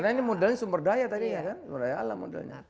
karena ini modalnya sumber daya tadi ya kan